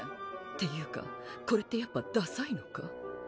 っていうかこれってやっぱださいのか？